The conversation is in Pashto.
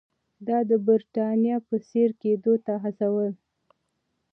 دا د برېټانیا په څېر کېدو ته هڅول.